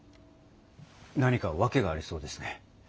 何か訳がありそうですね。